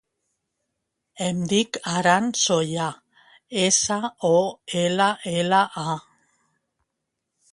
Em dic Aran Solla: essa, o, ela, ela, a.